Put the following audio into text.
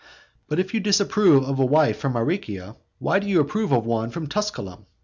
But if you disapprove of a wife from Aricia, why do you approve of one from Tusculum?